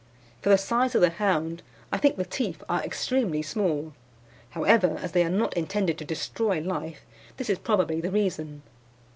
For the size of the hound I think the teeth are extremely small. However, as they are not intended to destroy life, this is probably the reason.